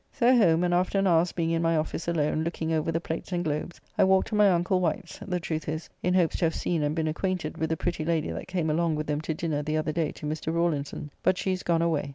So home, and after an hour's being in my office alone, looking over the plates and globes, I walked to my uncle Wight's, the truth is, in hopes to have seen and been acquainted with the pretty lady that came along with them to dinner the other day to Mr. Rawlinson, but she is gone away.